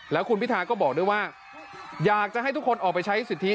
แล้วคุณพิธาก็บอกด้วยว่าอยากจะให้ทุกคนออกไปใช้สิทธิ